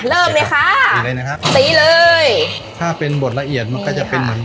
เริ่มเลยค่ะตีเลยนะครับตีเลยถ้าเป็นบทละเอียดมันก็จะเป็นเหมือน